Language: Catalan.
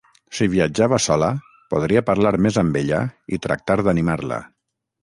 Si viatjava sola, podria parlar més amb ella i tractar d'animar-la.